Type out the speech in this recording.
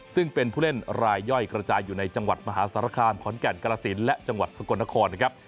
ซึ่งเป็นผู้เล่นรายย่อยกระจายอยู่ในจังหวัดมหาสารคามขอนแก่นกรสินและจังหวัดสกลนครนะครับ